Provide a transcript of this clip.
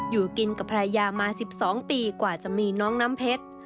อยู่กินกับภรรยามา๑๒ปีกว่าจะมีน้องน้ำเพชร